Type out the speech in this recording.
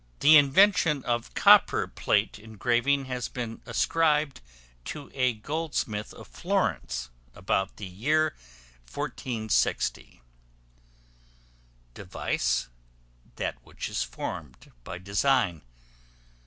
The invention of copper plate engraving has been ascribed to a goldsmith of Florence, about the year 1460. Device, that which is formed by design.